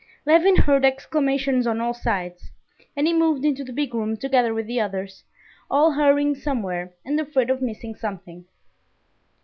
Levin heard exclamations on all sides, and he moved into the big room together with the others, all hurrying somewhere and afraid of missing something.